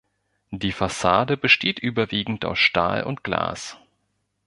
Die Fassade besteht überwiegend aus Stahl und Glas.